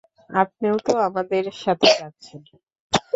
আপনিও তো আমাদের সাথে যাচ্ছেন।